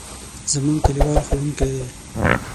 زموږ کلیوال ښوونکی دی.